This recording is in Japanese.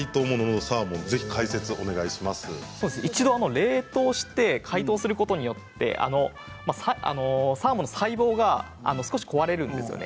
一度冷凍して解凍することによってサーモンの細胞が少し壊れるんですよね。